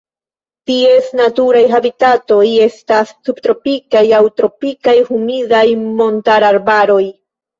Ties naturaj habitatoj estas subtropikaj aŭ tropikaj humidaj montararbaroj.